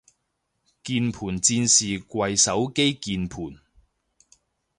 鍵盤戰士跪手機鍵盤